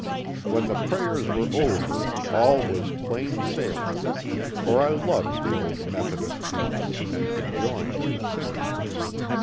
When the prayers were over all was plain sail ing, for I loved the old Methodist hymns and could join in the singing.